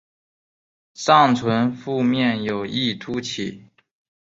上唇腹面有一突起。